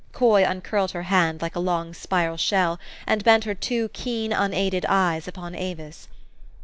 Coy uncurled her hand like a long spiral shell, and bent her two keen, unaided eyes upon Avis.